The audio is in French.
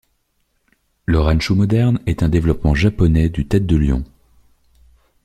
Le ranchu moderne est un développement japonais du Tête-de-Lion.